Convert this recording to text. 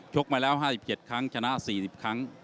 กมาแล้ว๕๗ครั้งชนะ๔๐ครั้ง